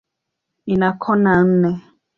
Ina kona nne.